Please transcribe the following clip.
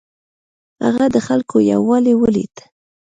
هغه د خلکو یووالی ولید.